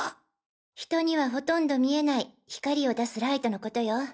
人にはほとんど見えない光を出すライトのことよ。